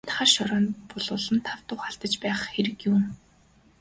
Энд хар шороонд булуулан тав тух алдаж байх хэрэг юун.